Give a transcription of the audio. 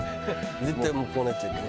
絶対もうこうなっちゃうけど。